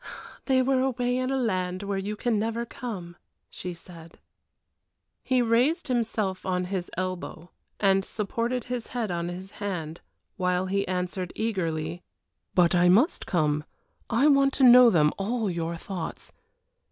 "They were away in a land where you can never come," she said. He raised himself on his elbow, and supported his head on his hand, while he answered, eagerly: "But I must come! I want to know them, all your thoughts.